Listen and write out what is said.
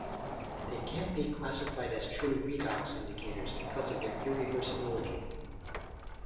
They can't be classified as true redox indicators because of their irreversibility.